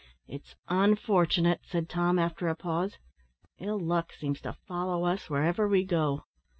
"It's unfortunate," said Tom, after a pause; "ill luck seems to follow us wherever we go."